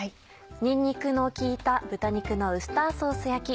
にんにくの効いた「豚肉のウスターソース焼き」。